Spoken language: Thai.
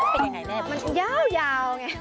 เป็นอย่างไรแน่